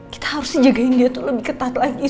kita harusnya jagain dia tuh lebih ketat lagi